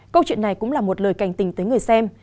câu chuyện này cũng là một lời cảnh tình tới người xem